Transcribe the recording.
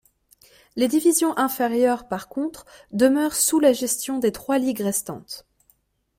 Les divisions inférieures par contre demeurèrent sous la gestion des trois ligues restantes.